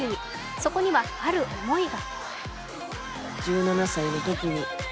そこには、ある思いが。